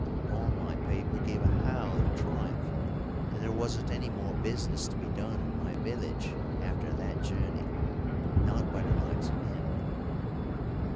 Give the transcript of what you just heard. All my people gave a howl of triumph, and there wasn't any more business to be done in my village after that journey, not by the likes of him.